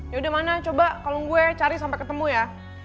ya udah mana coba kalau gue cari sampai ketemu ya